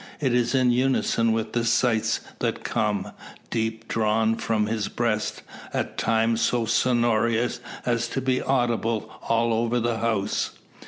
It is in unison with the sighs that come, deep drawn, from his breast; at times so sonorous as to be audible all over the house.